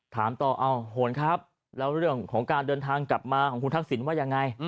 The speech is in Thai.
ถามต่อเอาโหนครับแล้วเรื่องของการเดินทางกลับมาของคุณทักษิณว่ายังไง